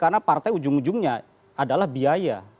karena partai ujung ujungnya adalah biaya